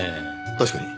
確かに。